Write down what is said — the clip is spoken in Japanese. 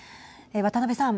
渡辺さん。